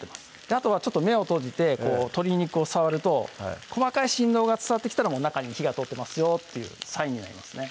あとはちょっと目を閉じて鶏肉を触ると細かい振動が伝わってきたら中に火が通ってますよというサインになりますね